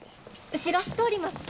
後ろ通ります。